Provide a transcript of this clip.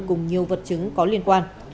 cùng nhiều vật chứng có liên quan